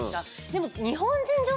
でも。